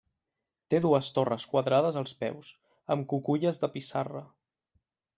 Té dues torres quadrades als peus, amb cuculles de pissarra.